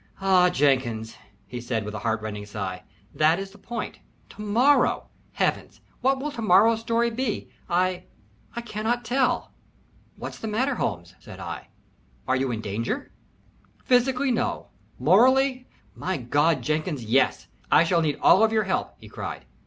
"Ah, Jenkins," he said, with a heart rending sigh, "that is the point. To morrow! Heavens! what will to morrow's story be? I I cannot tell." "What's the matter, Holmes?" said. "Are you in danger?" "Physically, no morally, my God! Jenkins, yes. I shall need all of your help," he cried.